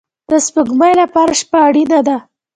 د سپوږمۍ لپاره شپه اړین ده